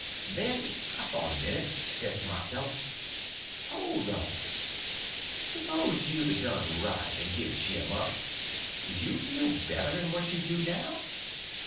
Then I thought a minute, and says to myself, hold on; s'pose you'd a done right and give Jim up, would you felt better than what you do now?